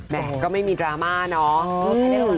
แม่ก็ไม่มีดราม่าเนาะ